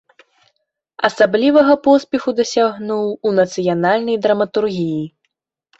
Асаблівага поспеху дасягнуў у нацыянальнай драматургіі.